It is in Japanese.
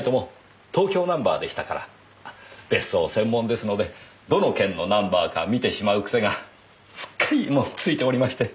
別荘専門ですのでどの県のナンバーか見てしまう癖がすっかりもうついておりまして。